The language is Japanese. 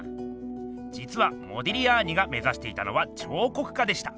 じつはモディリアーニが目ざしていたのは彫刻家でした。